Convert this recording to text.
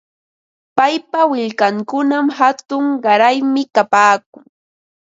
Paypa willkankunam hatun qaraymi kapaakun.